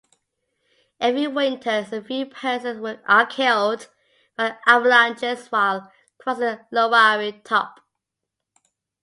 Every winter a few persons are killed by avalanches while crossing Lowari Top.